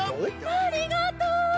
ありがとう！